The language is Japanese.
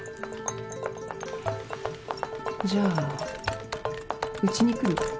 じゃあウチに来る？